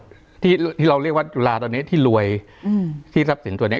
ก็คืออะไรที่เรารู้ว่าจุฬาตอนนี้ที่รวยที่ทรัพย์สินตัวนี้